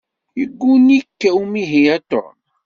Yegguni-k umihi a Tom.